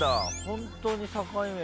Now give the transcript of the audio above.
本当に境目で」